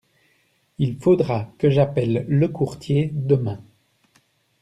Il faudra que j’appelle le courtier demain.